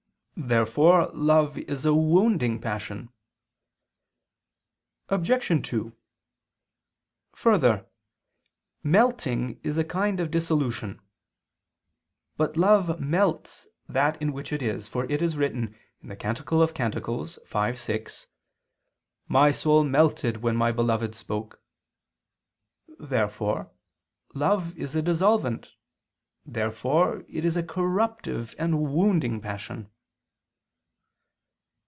Therefore love is a wounding passion. Obj. 2: Further, melting is a kind of dissolution. But love melts that in which it is: for it is written (Cant 5:6): "My soul melted when my beloved spoke." Therefore love is a dissolvent: therefore it is a corruptive and a wounding passion.